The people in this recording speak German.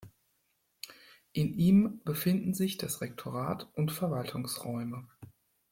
In ihm befinden sich das Rektorat und Verwaltungsräume.